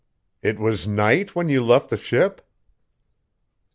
"It was night when you left the ship?"